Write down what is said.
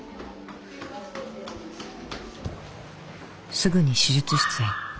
すぐに手術室へ。